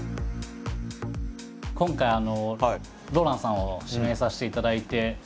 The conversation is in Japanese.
今回ＲＯＬＡＮＤさんを指名させていただいて。